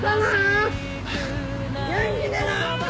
元気でなー！